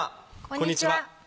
こんにちは。